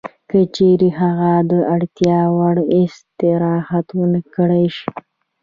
که چېرې هغه د اړتیا وړ استراحت ونه کړای شي